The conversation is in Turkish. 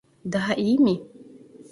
Daha iyi mi?